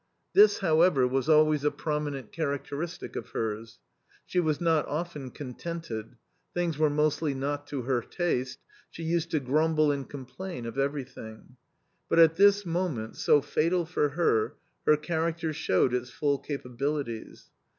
This, however, was always a prominent characteristic of hers. She was not often contented ; things were mostly not to her taste ; she used to grumble and com plain of everything. But at this moment, so fatal for her, her character showed its full capabilities.